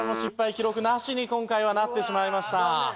記録なしに今回はなってしまいました。